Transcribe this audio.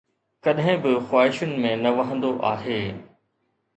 ڪڏهن به خواهشن ۾ نه وهندو آهي